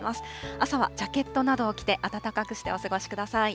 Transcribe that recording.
朝はジャケットなどを着て、暖かくしてお過ごしください。